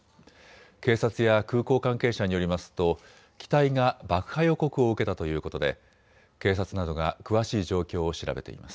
警察や空港関係者によりますと機体が爆破予告を受けたということで警察などが詳しい状況を調べています。